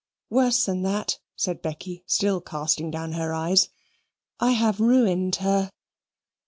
"Worse than that," said Becky, still casting down her eyes; "I have ruined her."